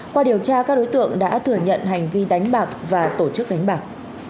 qua điều tra các đối tượng đã thừa nhận hành vi đánh bạc và tổ chức đánh bạc